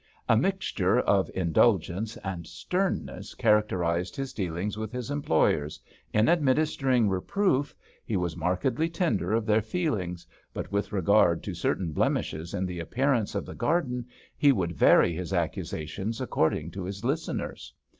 A mixture of indulgence and sternness characterised his dealings with his employers. In administering reproof, he was markedly tender of their feelings, but with regard to certain blemishes in the appearance of the garden, he would vary his accusations according to his listeners.